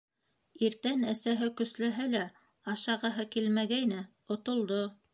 Иртән әсәһе көсләһә лә ашағыһы килмәгәйне, отолдо.